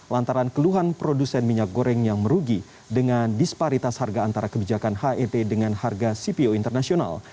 lantaran keluhan produsen minyak goreng yang merugi dengan disparitas harga antara kebijakan het dengan harga cpo internasional